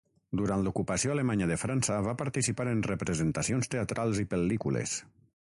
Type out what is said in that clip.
Durant l'ocupació alemanya de França va participar en representacions teatrals i pel·lícules.